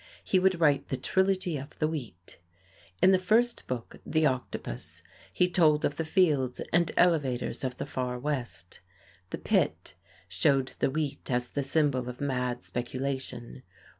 He would write the Trilogy of the Wheat. In the first book, "The Octopus," he told of the fields and elevators of the Far West. "The Pit" showed the wheat as the symbol of mad speculation.